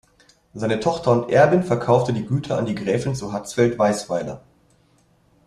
Seine Tochter und Erbin verkaufte die Güter an die Gräfin zu Hatzfeld-Weisweiler.